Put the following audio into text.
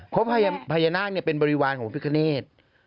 เพราะพญานาคเป็นบริวารของพิกเนธ